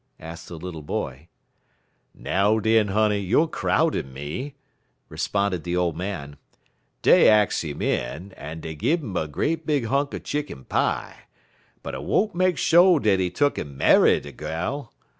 asked the little boy. "Now, den, honey, you're crowdin' me," responded the old man. "Dey ax 'im in, en dey gun 'im a great big hunk er chicken pie, but I won't make sho' dat he tuck'n marry de gal.